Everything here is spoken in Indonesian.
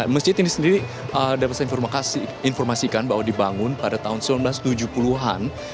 masjid ini sendiri dapat saya informasikan bahwa dibangun pada tahun seribu sembilan ratus tujuh puluh an